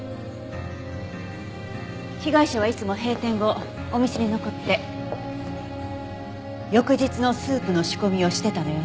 被害者はいつも閉店後お店に残って翌日のスープの仕込みをしてたのよね？